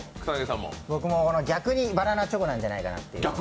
僕も、逆にバナナチョコなんじゃないかなと。